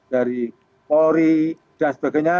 dari polri dan sebagainya